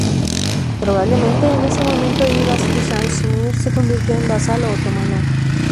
Probablemente en ese momento Ivan Sracimir se convirtió en vasallo otomano.